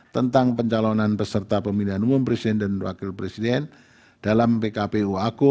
tentang pencalonan peserta pemilihan umum presiden dan wakil presiden dalam pkpu aku